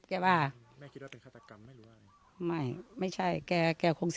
แม่คิดว่าเป็นฆาตกรรมหรืออะไร